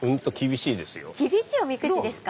厳しいおみくじですか？